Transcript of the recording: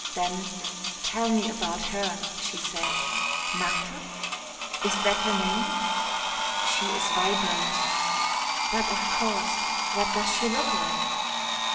Then: "Tell me about her," she said. "Marthe?" "Is that her name?" "She is vibrant." "But of course. What does she look like?"